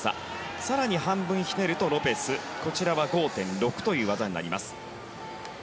更に半分ひねるとロペス５．６という技になります。